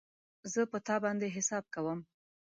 زه په تا باندی حساب کوم